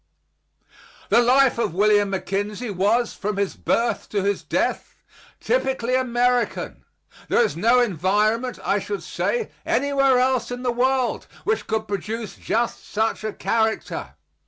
The life of William McKinley was, from his birth to his death, typically American. There is no environment, I should say, anywhere else in the world which could produce just such a character.